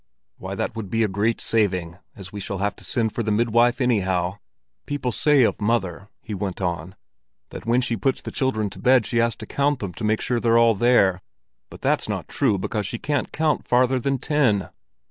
"Why, that would be a great saving, as we shall have to send for the midwife anyhow. People say of mother," he went on, "that when she's put the children to bed she has to count them to make sure they're all there; but that's not true, because she can't count farther than ten."